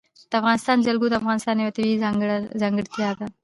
د افغانستان جلکو د افغانستان یوه طبیعي ځانګړتیا ده.